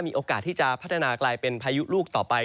มีโอกาสที่จะพัฒนากลายเป็นพายุลูกต่อไป